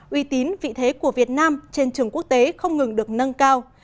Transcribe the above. uy tín vị thế của việt nam trên trường quốc tế không ngừng được nâng cao